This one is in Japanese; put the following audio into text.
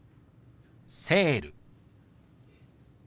「セール」。